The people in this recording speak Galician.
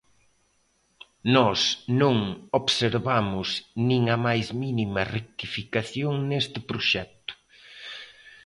Nós non observamos nin a máis mínima rectificación neste proxecto.